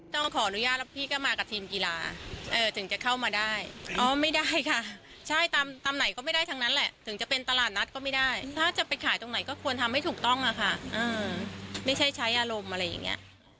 ต้องขออนุญาตแล้วพี่ก็มากับทีมกีฬาถึงจะเข้ามาได้อ๋อไม่ได้ค่ะใช่ตามไหนก็ไม่ได้ทั้งนั้นแหละถึงจะเป็นตลาดนัดก็ไม่ได้ถ้าจะไปขายตรงไหนก็ควรทำให้ถูกต้องอะค่ะไม่ใช่ใช้อารมณ์อะไรอย่างนี้